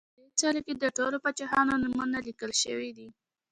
په دې څلي کې د ټولو پاچاهانو نومونه لیکل شوي دي